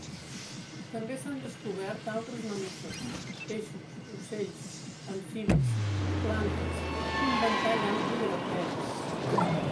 També s’han descobert altres mamífers, peixos, ocells, amfibis, plantes i un ventall ampli de bacteris.